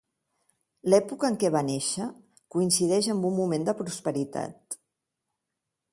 L'època en què va néixer coincideix amb un moment de prosperitat.